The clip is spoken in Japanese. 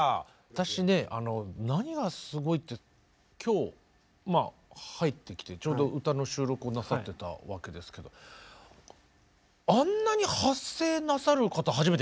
私ねあの何がすごいって今日まあ入ってきてちょうど歌の収録をなさってたわけですけどあんなに発声なさる方初めて見ました。